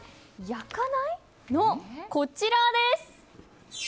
焼かない！？のこちらです。